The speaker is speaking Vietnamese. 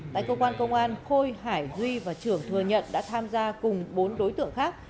tại cơ quan công an khôi hải duy và trưởng thừa nhận đã tham gia cùng bốn đối tượng khác